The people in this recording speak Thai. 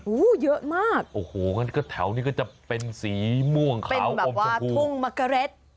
โอ้โหเยอะมากแถวนี้ก็จะเป็นสีม่วงขาวเป็นแบบว่าทุ่งมะกะเล็ต